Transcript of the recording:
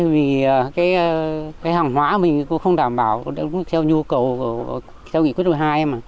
vì cái hàng hóa mình cũng không đảm bảo theo nhu cầu theo nghị quyết số hai mà